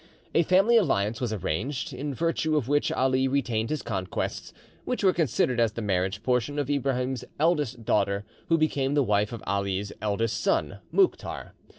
A family alliance was arranged, in virtue of which Ali retained his conquests, which were considered as the marriage portion of Ibrahim's eldest daughter, who became the wife of Ali's eldest son, Mouktar.